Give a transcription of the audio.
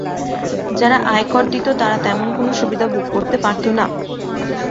যারা আয়কর দিত তারা তেমন কোন সুবিধা ভোগ করতে পারত না।